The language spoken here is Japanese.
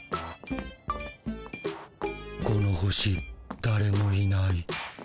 この星だれもいない。